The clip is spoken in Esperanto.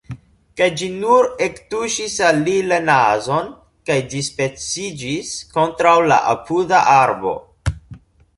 Kaj ĝi nur ektuŝis al li la nazon, kaj dispeciĝis kontraŭ la apuda arbo.